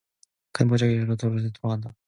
그는 보자기를 들여놓고는 곧 돌아서 나간다.